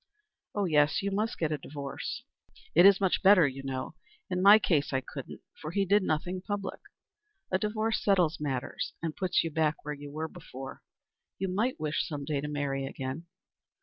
"Oh yes, you must get a divorce. It is much better, you know. In my case I couldn't, for he did nothing public. A divorce settles matters, and puts you back where you were before. You might wish some day to marry again."